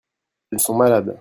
Elles sont malades.